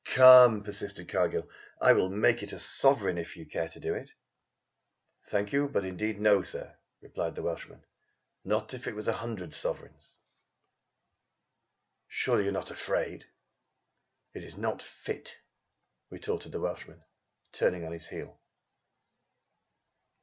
"Come," persisted Cargill, "I will make it a sovereign if you care to do it." "Thank you, but indeed, no, sir," replied the Welshman. "Not if it wass a hundred sofereigns!" "Surely you are not afraid?" "It iss not fit," retorted the Welshman, turning on his heel.